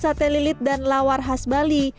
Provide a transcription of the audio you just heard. sate lilit dan lawar khas bali